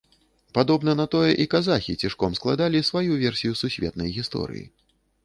Падобна на тое, і казахі цішком складалі сваю версію сусветнай гісторыі.